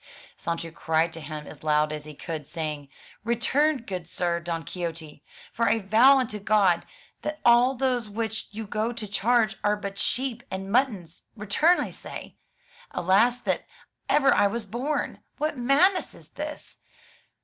Sancho cried to him as loud as he could, saying, "Return, good sir Don Quixote! for I vow unto God, that all those which you go to charge are but sheep and muttons; return, I say. Alas, that ever I was born! what madness is this?